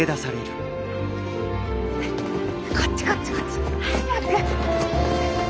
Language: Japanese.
こっちこっちこっち。早く。